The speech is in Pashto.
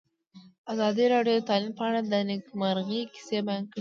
ازادي راډیو د تعلیم په اړه د نېکمرغۍ کیسې بیان کړې.